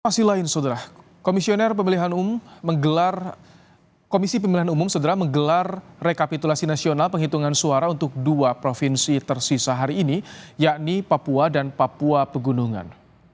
masih lain saudara komisi pemilihan umum menggelar rekapitulasi nasional penghitungan suara untuk dua provinsi tersisa hari ini yakni papua dan papua pegunungan